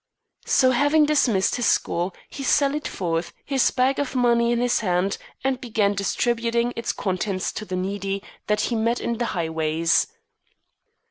So, having dismissed his school, he sallied forth, his bag of money in his hand, and began distributing its contents to the needy that he met in the highways.